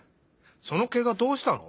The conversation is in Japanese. そのケガどうしたの？